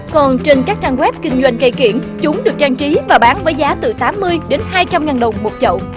còn trên các trang web kinh doanh cây kiển chúng được trang trí và bán với giá từ tám mươi đến hai trăm linh ngàn đồng một chậu